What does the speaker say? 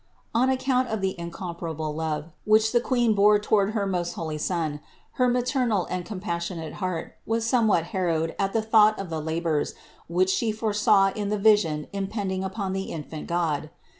611. On account of the incomparable love, which the Queen bore toward her most holy Son, her maternal and compassionate heart was somewhat harrowed at the thought of the labors which She foresaw in the vision impending upon the infant God.